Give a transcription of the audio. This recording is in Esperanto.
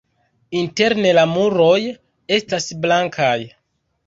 Interne la muroj estas blankaj.